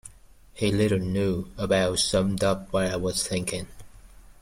He little knew, about summed up what I was thinking.